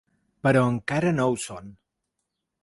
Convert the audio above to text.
Però encara no ho són.